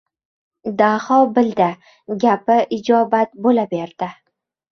Daho bildi, gapi ijobat bo‘la berdi.